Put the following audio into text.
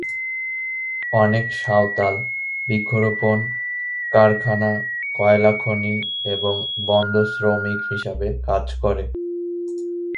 অনেক সাঁওতাল বৃক্ষরোপণ, কারখানা, কয়লা খনি এবং বন্দর শ্রমিক হিসাবে কাজ করে।